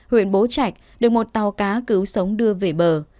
huyện bố trạch được một tàu cá cứu sống đưa về bờ